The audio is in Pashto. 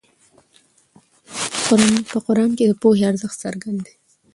په قرآن کې د پوهې ارزښت څرګند دی.